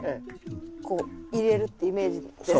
こう入れるってイメージです。